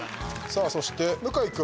さあそして向井君。